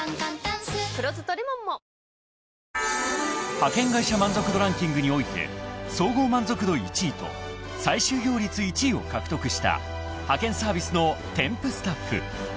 ［派遣会社満足度ランキングにおいて総合満足度１位と再就業率１位を獲得した派遣サービスのテンプスタッフ］